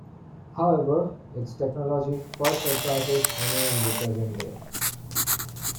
However, its technology far surpasses any in the present day.